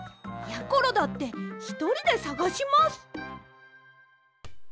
やころだってひとりでさがします。